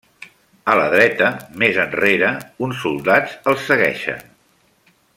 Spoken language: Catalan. A la dreta, més enrere, uns soldats els segueixen.